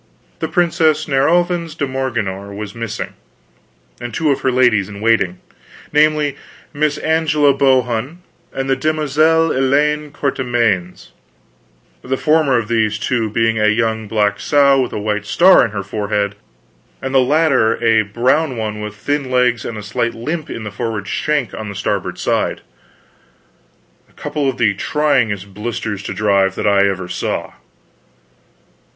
The princess Nerovens de Morganore was missing, and two of her ladies in waiting: namely, Miss Angela Bohun, and the Demoiselle Elaine Courtemains, the former of these two being a young black sow with a white star in her forehead, and the latter a brown one with thin legs and a slight limp in the forward shank on the starboard side a couple of the tryingest blisters to drive that I ever saw.